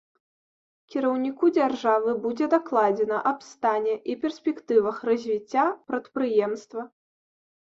Кіраўніку дзяржавы будзе дакладзена аб стане і перспектывах развіцця прадпрыемства.